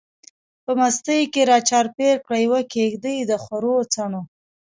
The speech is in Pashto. په مستۍ کی را چار پیر کړه، یوه کیږدۍ دخورو څڼو